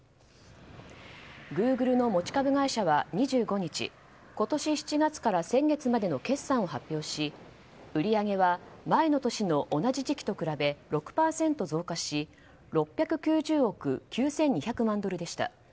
グーグルの持ち株会社は２５日今年７月から先月までの決算を発表し売り上げは前の年の同じ時期と比べ６％増加し６９０億９２００万ドルでした。